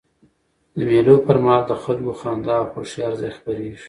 د مېلو پر مهال د خلکو خندا او خوښۍ هر ځای خپریږي.